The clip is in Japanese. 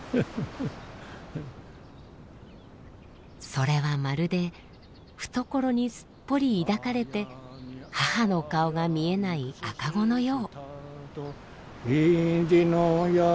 それはまるで懐にすっぽり抱かれて母の顔が見えない赤子のよう。